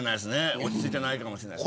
落ち着いてないかもしれないです。